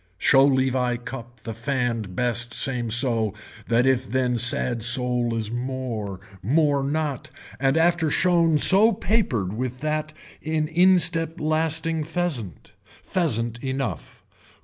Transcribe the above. Show leave I cup the fanned best same so that if then sad sole is more, more not, and after shown so papered with that in instep lasting pheasant. Pheasant enough.